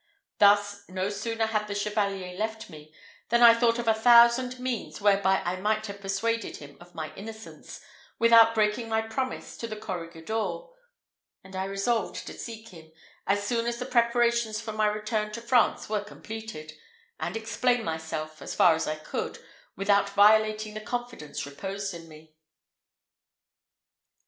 Thus, no sooner had the Chevalier left me, than I thought of a thousand means whereby I might have persuaded him of my innocence, without breaking my promise to the corregidor; and I resolved to seek him, as soon as the preparations for my return to France were completed, and explain myself, as far as I could, without violating the confidence reposed in me.